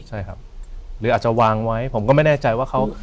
ใช่ครับหรืออาจจะวางไว้ผมก็ไม่แน่ใจว่าเขา